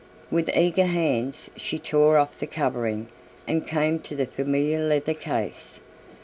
With eager hands she tore off the covering and came to the familiar leather case.